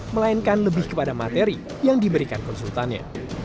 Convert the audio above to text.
melainkan lebih kepada materi yang diberikan konsultannya